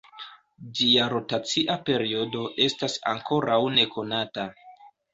Ĝia rotacia periodo estas ankoraŭ nekonata.